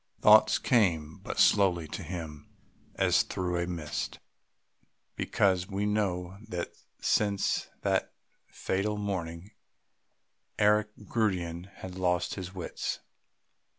Thoughts came but slowly to him as through a mist, because we know that since that fatal morning Eric Gundian had lost his wits.